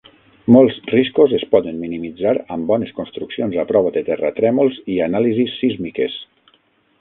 Molts riscos es poden minimitzar amb bones construccions a prova de terratrèmols i anàlisis sísmiques.